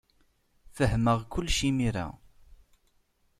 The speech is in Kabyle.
Fehmeɣ kullec imir-a.